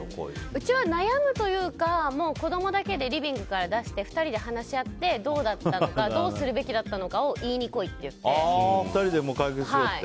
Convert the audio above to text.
うちは悩むというか子供だけでリビングから出して２人で話し合ってどうすればよかったのかを２人で解決しろって？